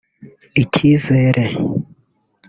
Ikizere